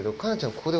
ここで。